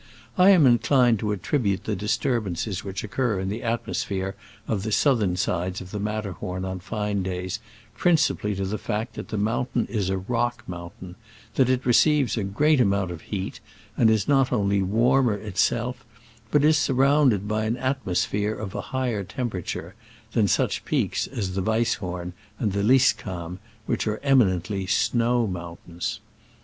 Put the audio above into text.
I am inclined to attribute the disturbances which occur in the atmosphere of the southern sides of the Matterhorn on fine days princi pally to the fact that the mountain is a rock mountain — that it receives a great amount of heat, and is not only warmer itself, but is^ surrounded by an atmo sphere of a higher temperature, than such peaks as the Weisshorn and the Lyskamm, which are eminently snow mountains.